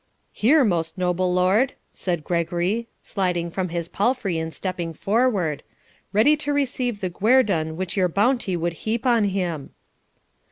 'Here, most noble lord,' said Gregory, sliding from his palfrey and stepping forward, 'ready to receive the guerdon which your bounty would heap on him.'